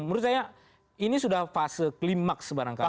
menurut saya ini sudah fase klimaks barangkali